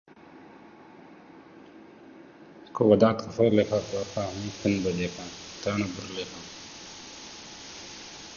Present dock and lock machinery are powered by electric or electro-hydraulic energy.